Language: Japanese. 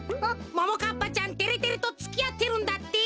ももかっぱちゃんてれてれとつきあってるんだって？